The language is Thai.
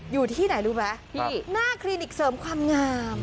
อยู่ที่ไหนรู้ไหมที่หน้าคลินิกเสริมความงาม